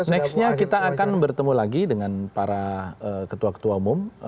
nextnya kita akan bertemu lagi dengan para ketua ketua umum